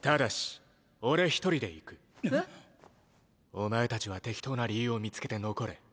⁉お前たちは適当な理由を見つけて残れ。